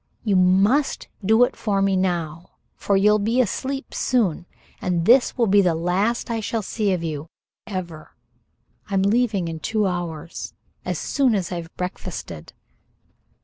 I must do it now, for you'll be asleep soon, and this will be the last I shall see of you ever. I'm leaving in two hours as soon as I've breakfasted."